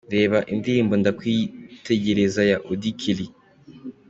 Reba indirimbo "Ndakwitegereza" ya Auddy Kelly.